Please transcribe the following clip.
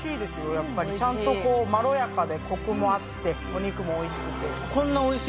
やっぱりちゃんとこうまろやかでコクもあってお肉もおいしくて。